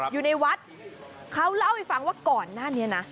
อยู่ในวัดเขาเล่าให้ฟังว่าก่อนหน้านี้นะ